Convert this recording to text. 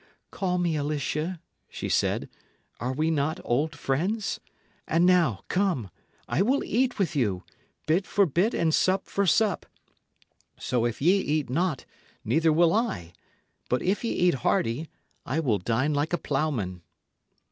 "Call me Alicia," she said; "are we not old friends? And now, come, I will eat with you, bit for bit and sup for sup; so if ye eat not, neither will I; but if ye eat hearty, I will dine like a ploughman."